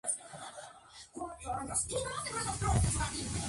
Shin Nakamura